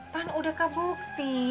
tahan udah kebukti